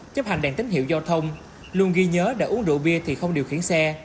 chấp hành đèn tín hiệu giao thông luôn ghi nhớ đã uống rượu bia thì không điều khiển xe